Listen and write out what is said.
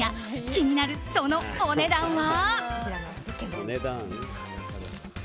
気になる、そのお値段は。